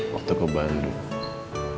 waktu ke bandung